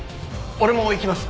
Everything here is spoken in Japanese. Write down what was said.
俺も行きます。